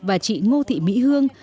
và chị ngô thị mỹ hương